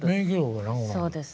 そうです。